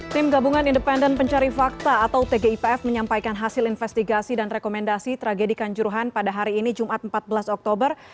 tim gabungan independen pencari fakta atau tgipf menyampaikan hasil investigasi dan rekomendasi tragedi kanjuruhan pada hari ini jumat empat belas oktober